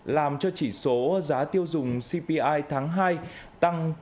làm cho chỉ số giá tiêu dùng cpi tháng hai tăng